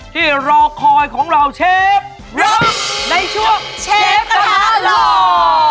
ที่รอคอยของเราเชฟรักในช่วงเชฟขาหล่อ